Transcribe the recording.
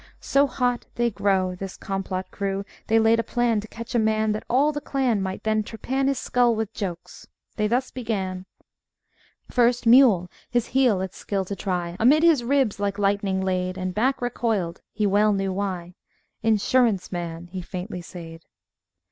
So hot They grew, This complot Crew, They laid a plan To catch a Man; That all the clan Might then trepan His skull with Jokes; they thus began: First Mule, his heel its skill to try, Amid his ribs like lightning laid And back recoiled he well knew why; "Insurance Man," he faintly sayed.